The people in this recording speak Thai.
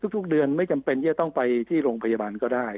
ทุกเดือนไม่จำเป็นที่จะต้องไปที่โรงพยาบาลก็ได้